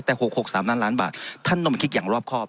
แต่หกหกสามน้านล้านบาทท่านต้องมาคิดอย่างรอบครอบ